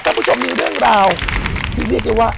คุณผู้ชมมีเรื่องราวที่เรียกได้ว่า